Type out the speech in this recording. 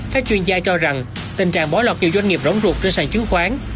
các chuyên gia cho rằng tình trạng bỏ lọt nhiều doanh nghiệp rỗng ruột trên sàn chứng khoán